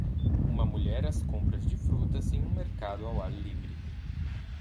Uma mulher às compras de frutas em um mercado ao ar livre